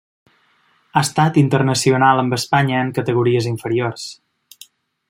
Ha estat internacional amb Espanya en categories inferiors.